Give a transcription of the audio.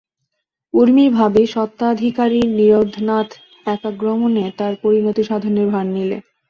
ঊর্মির ভাবী স্বত্বাধিকারী নীরদনাথ একাগ্রমনে তার পরিণতি-সাধনের ভার নিলে।